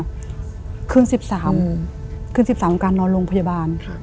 คืน๑๓คืน๑๓ของการนอนโรงพยาบาล